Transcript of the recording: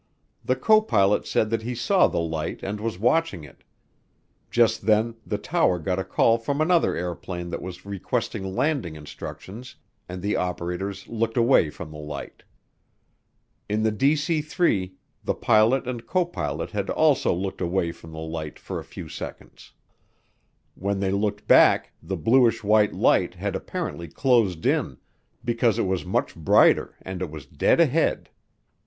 The copilot said that he saw the light and was watching it. Just then the tower got a call from another airplane that was requesting landing instructions and the operators looked away from the light. In the DC 3 the pilot and copilot had also looked away from the light for a few seconds. When they looked back, the bluish white light had apparently closed in because it was much brighter and it was dead ahead.